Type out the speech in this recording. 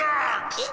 え？